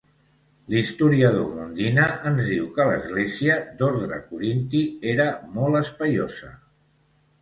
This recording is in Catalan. L'historiador Mundina ens diu que l'església, d'ordre corinti, era molt espaiosa.